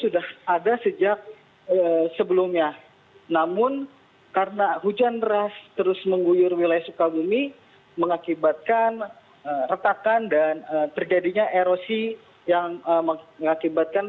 dan rata rata banyak